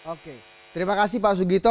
oke terima kasih pak sugito